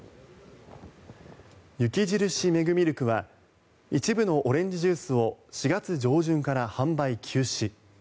雪印メグミルクは一部のオレンジジュースを４月上旬から販売休止。